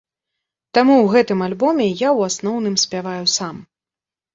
Таму ў гэтым альбоме я ў асноўным спяваю сам.